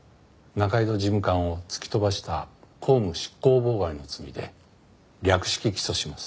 仲井戸事務官を突き飛ばした公務執行妨害の罪で略式起訴します。